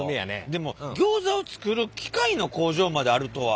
でもギョーザを作る機械の工場まであるとは。